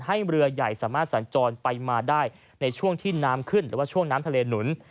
เรือใหญ่สามารถสัญจรไปมาได้ในช่วงที่น้ำขึ้นหรือว่าช่วงน้ำทะเลหนุน